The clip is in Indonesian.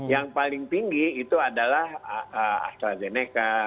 yang paling tinggi itu adalah astrazeneca